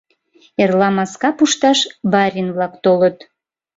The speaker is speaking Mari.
Эрла маска пушташ барин-влак толыт...